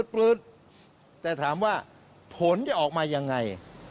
ปลื๊ดแต่ถามว่าผลจะออกมายังไง